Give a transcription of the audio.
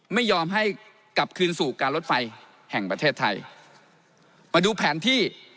ไม่ยอมให้กลับคืนสู่การรถไฟแห่งประเทศไทยมาดูแผนที่